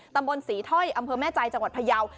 ตำบลศรีถ้อยอำเภอแม่ใจจังหวัดพยาว